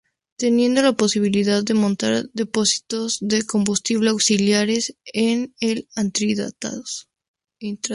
Teniendo la posibilidad de montar depósitos de combustible auxiliares en el intradós.